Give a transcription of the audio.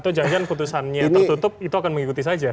atau jangan jangan putusannya tertutup itu akan mengikuti saja